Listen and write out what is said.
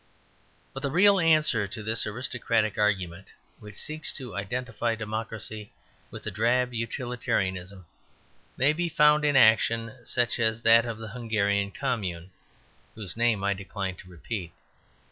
But the real answer to this aristocratic argument which seeks to identify democracy with a drab utilitarianism may be found in action such as that of the Hungarian Commune whose name I decline to repeat.